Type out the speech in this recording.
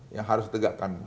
ya harus tegakkan